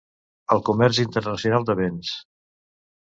El comerç internacional de béns.